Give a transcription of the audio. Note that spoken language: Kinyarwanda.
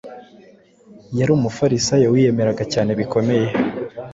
yari umufarisayo wiyemeraga cyane bikomeye,